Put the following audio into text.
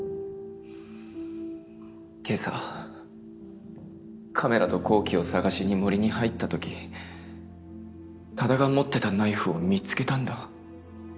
今朝カメラと紘希を捜しに森に入ったとき多田が持ってたナイフを見つけたんだ。